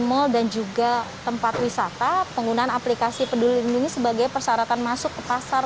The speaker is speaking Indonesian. mal dan juga tempat wisata penggunaan aplikasi peduli lindungi sebagai persyaratan masuk ke pasar